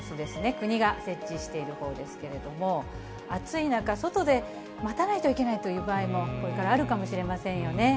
国が設置しているほうですけれども、暑い中、外で待たないといけないという場合も、これからあるかもしれませんよね。